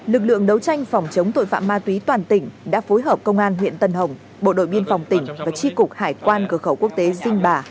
lực lượng đấu tranh phòng chống tội phạm ma túy toàn tỉnh đã phối hợp công an huyện tân hồng bộ đội biên phòng tỉnh và tri cục hải quan cửa khẩu quốc tế dinh bà